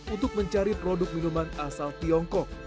untuk mencari produk minuman asal tiongkok